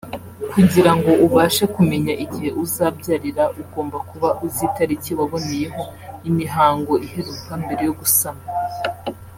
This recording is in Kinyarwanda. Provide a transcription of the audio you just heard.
Kugira ngo ubashe kumenya igihe uzabyarira ugomba kuba uzi itariki waboneyeho imihango iheruka mbere yo gusama